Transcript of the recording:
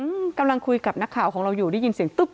อืมกำลังคุยกับนักข่าวของเราอยู่ได้ยินเสียงตึ๊บ